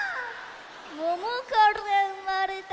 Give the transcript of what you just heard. ももからうまれた。